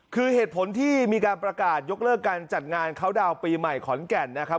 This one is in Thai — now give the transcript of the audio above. คือเหตุผลที่มีการประกาศยกเลิกการจัดงานเขาดาวน์ปีใหม่ขอนแก่นนะครับ